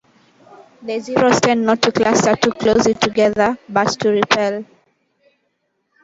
The zeros tend not to cluster too closely together, but to repel.